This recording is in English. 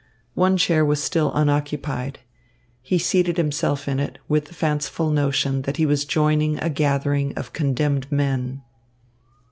One chair was still unoccupied. He seated himself in it, with the fanciful notion that he was joining a gathering of condemned men.